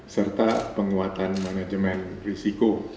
serta penguatan manajemen risiko